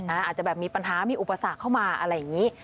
อาจจะแบบมีปัญหามีอุปสรรคเข้ามาอะไรอย่างนี้